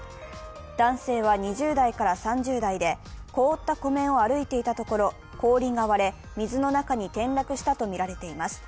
男性は２０代から３０代で凍った湖面を歩いていたところ、氷が割れ、水の中に転落したとみられています。